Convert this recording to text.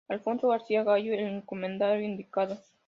Alfonso García Gallo, “El encomendero indiano.